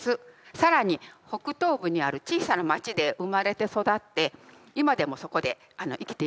更に北東部にある小さな町で生まれて育って今でもそこで生きています。